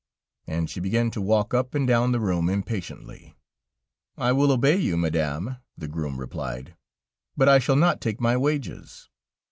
And she began to walk up and down the room, impatiently. "I will obey you, Madame," the groom replied, "but I shall not take my wages."